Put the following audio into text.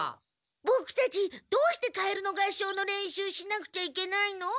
ボクたちどうしてカエルの合唱の練習しなくちゃいけないの？